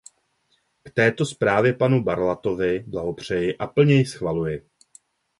K této zprávě panu Berlatovi blahopřeji a plně ji schvaluji.